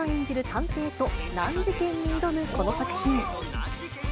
探偵と難事件に挑むこの作品。